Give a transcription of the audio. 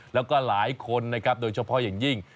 แล้วก็หลายคนนะครับโดยเฉพาะอย่างยิ่ง